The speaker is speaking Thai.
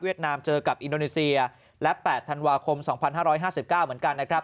นามเจอกับอินโดนีเซียและ๘ธันวาคม๒๕๕๙เหมือนกันนะครับ